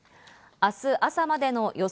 明日朝までの予想